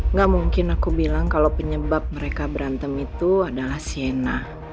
nggak mungkin aku bilang kalau penyebab mereka berantem itu adalah siena